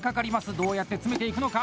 どうやって詰めていくのか！？